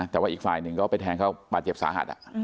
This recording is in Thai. แต่ว่าอีกฝ่ายนึงก็เป็นแทนเขาปาเจ็บสาหัส